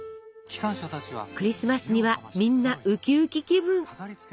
クリスマスにはみんなウキウキ気分！